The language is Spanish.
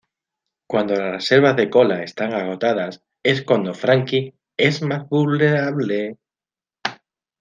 Cuando las reservas de Cola están agotadas es cuándo Franky es más vulnerable.